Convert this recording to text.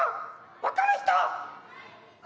分かる人」。